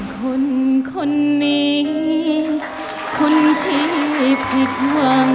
คนคนนี้คนที่ผิดหวัง